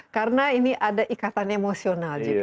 karena ini ada ikatan emosional juga